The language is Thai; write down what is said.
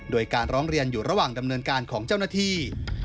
โดยการร้องเรียนอยู่ระหว่างดำเนินการของเจ้าหน้าที่